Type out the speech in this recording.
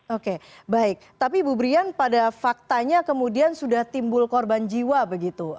oke baik tapi ibu brian pada faktanya kemudian sudah timbul korban jiwa begitu